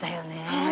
はい。